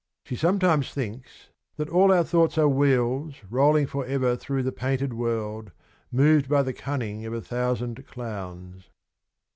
She sometimes thinks ... that all our thoughts are Wheels Rolling forever through the painted world, Moved by the cunning of a thousand clowns.